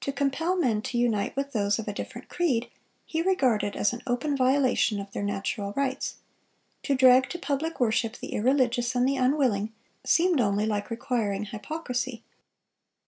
To compel men to unite with those of a different creed, he regarded as an open violation of their natural rights; to drag to public worship the irreligious and the unwilling, seemed only like requiring hypocrisy....